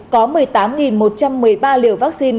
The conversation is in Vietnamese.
có một mươi tám một trăm một mươi ba liều vaccine